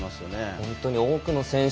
本当に多くの選手